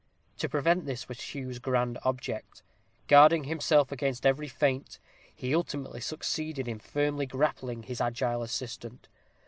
To prevent this was Hugh's grand object. Guarding himself against every feint, he ultimately succeeded in firmly grappling his agile assailant.